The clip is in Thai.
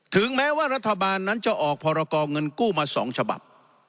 ถึงแม้ว่ารัฐบาลนั้นจะออกพรกรเงินกู้มา๒ฉบับ